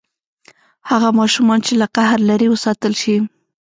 هغه ماشومان چې له قهر لرې وساتل شي.